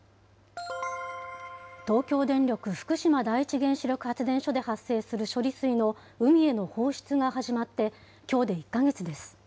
東京電力福島第一原子力発電所で発生する処理水の海への放出が始まって、きょうで１か月です。